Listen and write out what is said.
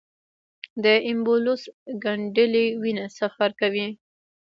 د ایمبولوس ګڼېدلې وینه سفر کوي.